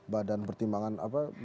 badan pertimbangan apa